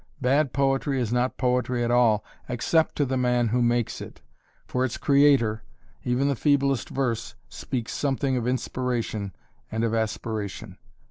Bad poetry is not poetry at all except to the man who makes it. For its creator, even the feeblest verse speaks something of inspiration and of aspiration.